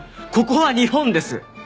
ここは日本です！